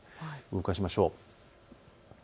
動かしましょう。